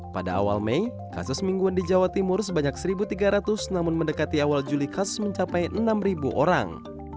pada awal mei kasus mingguan di jawa timur sebanyak satu tiga ratus namun mendekati awal juli kasus mencapai enam orang